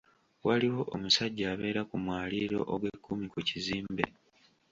Waliwo omusajja abeera ku mwaliiro ogwekkumi ku kizimbe.